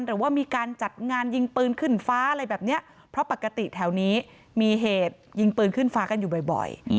หรือว่ามีการจัดงานยิงปืนขึ้นฟ้าอะไรแบบเนี้ยเพราะปกติแถวนี้มีเหตุยิงปืนขึ้นฟ้ากันอยู่บ่อย